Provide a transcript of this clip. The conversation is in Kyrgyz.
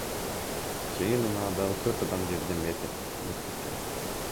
Жеңил унаадагы төрт адам жеринде мерт кеткен.